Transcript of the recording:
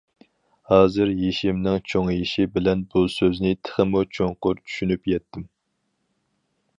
ھازىر يېشىمنىڭ چوڭىيىشى بىلەن بۇ سۆزنى تېخىمۇ چوڭقۇر چۈشىنىپ يەتتىم.